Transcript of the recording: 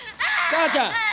母ちゃん！